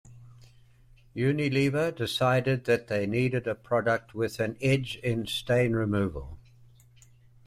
Unilever decided that they needed a product with an edge in stain removal.